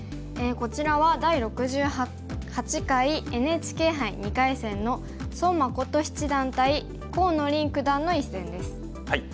こちらは第６８回ＮＨＫ杯２回戦の孫七段対河野臨九段の一戦です。